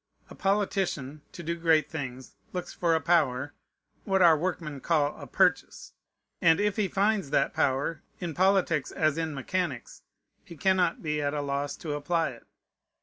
A politician, to do great things, looks for a power, what our workmen call a purchase; and if he finds that power, in politics as in mechanics, he cannot be at a loss to apply it.